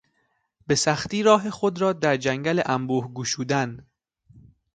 به سختی راه خود را در جنگل انبوه گشودن